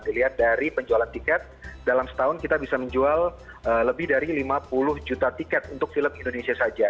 dilihat dari penjualan tiket dalam setahun kita bisa menjual lebih dari lima puluh juta tiket untuk film indonesia saja